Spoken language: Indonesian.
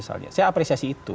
saya apresiasi itu